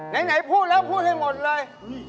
ไหนพูดแล้วพูดให้หมดเลย